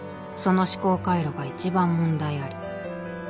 その思考回路が一番問題あり。